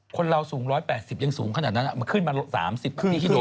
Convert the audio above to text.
คนเราสูง๑๘๐ยังสูงขนาดนั้นมาขึ้นมา๓๐นี่ที่ดูเองเหมือนกัน